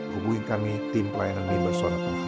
hubungi kami tim pelayanan mimbers